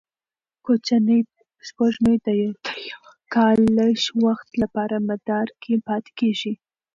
کوچنۍ سپوږمۍ تر یوه کال لږ وخت لپاره مدار کې پاتې کېږي.